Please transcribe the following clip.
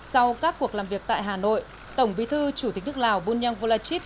sau các cuộc làm việc tại hà nội tổng bí thư chủ tịch nước lào bunyang volachit